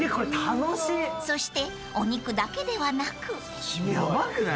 ［そしてお肉だけではなく］・ヤバくない？